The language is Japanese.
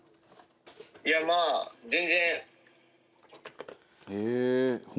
「いやまあ全然」